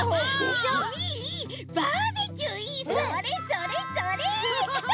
それそれそれ！